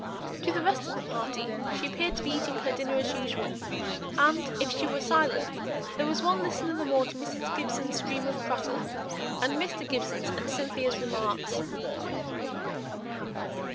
To the rest of the party she appeared to be eating her dinner as usual, and, if she were silent, there was one listener the more to Mrs. Gibson's stream of prattle, and Mr. Gibson's and Cynthia's remarks.